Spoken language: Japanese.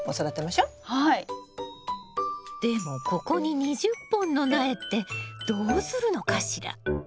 でもここに２０本の苗ってどうするのかしら？